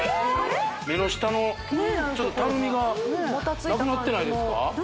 目の下のちょっとたるみがなくなってないですか？